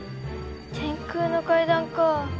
天空の階段か。